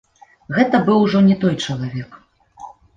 Гэта быў ужо не той чалавек.